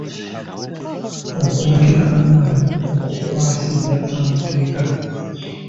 Okwongera amaanyi mu kukwasisa amateeka.